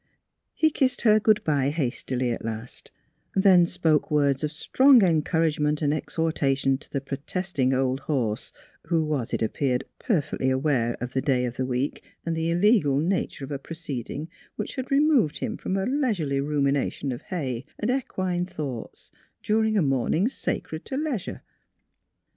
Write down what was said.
He kissed her good bye hastily at last; then spoke words of strong encouragement and ex hortation to the protesting old horse, who was, it appeared, perfectly aware of the day of the week and the illegal nature of a proceeding which removed him from a leisurely rumination of hay and equine thoughts during a morning sacred to leisure.